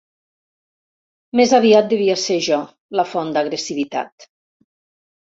Més aviat devia ser jo, la font d'agressivitat.